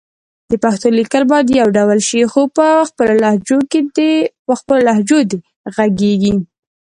د پښتو لیکل باید يو ډول شي خو په خپلو لهجو دې غږېږي